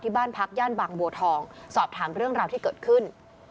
บ้านพักย่านบางบัวทองสอบถามเรื่องราวที่เกิดขึ้น